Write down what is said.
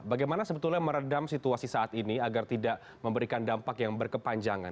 bagaimana sebetulnya meredam situasi saat ini agar tidak memberikan dampak yang berkepanjangan